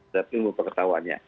tapi mau pengetahuannya